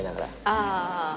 ああ。